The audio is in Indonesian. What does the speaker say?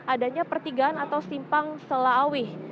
adanya pertigaan atau simpang selaawih